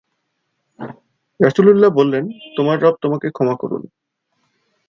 রাসুলুল্লাহ বললেন, তোমার রব তোমাকে ক্ষমা করুন।